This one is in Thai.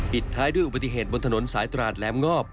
ท้ายด้วยอุบัติเหตุบนถนนสายตราดแหลมงอบ